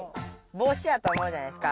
ぼうしやと思うじゃないですか。